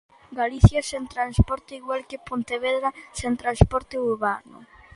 Galicia sen transporte, igual que Pontevedra sen transporte urbano.